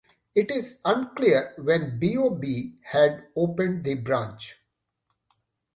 It is unclear when BoB had opened the branch.